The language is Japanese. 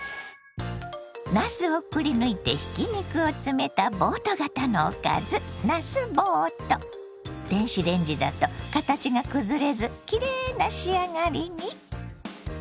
なすをくりぬいてひき肉を詰めたボート型のおかず電子レンジだと形が崩れずきれいな仕上がりに。